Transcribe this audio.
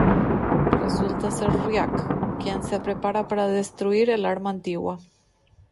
Resulta ser Rya’c, quien se prepara para destruir el arma Antigua.